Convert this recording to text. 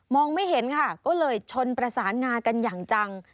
ไม่เห็นค่ะก็เลยชนประสานงากันอย่างจัง